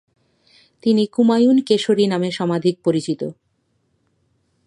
তিনি "কুমায়ুন কেশরী" নামে সমধিক পরিচিত।